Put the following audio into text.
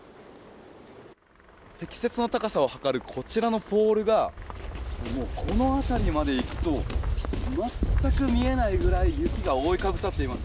積雪の高さを測るこちらのポールがこの辺りまで行くと全く見えないくらい雪が覆いかぶさっています。